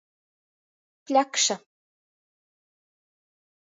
Pļakša.